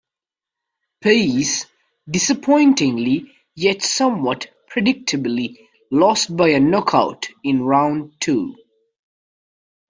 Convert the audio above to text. Paez disappointingly yet somewhat predictably lost by a knockout in round two.